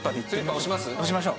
推しましょう。